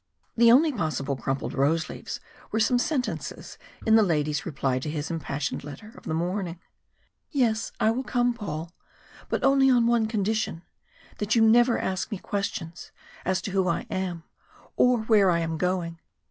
The only possible crumpled rose leaves were some sentences in the lady's reply to his impassioned letter of the morning: "Yes, I will come, Paul but only on one condition, that you never ask me questions as to who I am, or where I am going.